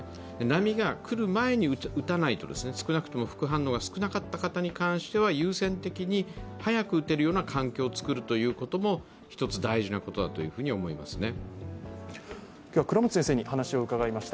波が来る前に打たないと少なくとも、副反応が少なかった方については優先的に早く打てるような環境を作るということも一つ大事なことだと思いますね。